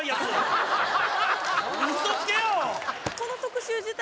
嘘つけよ！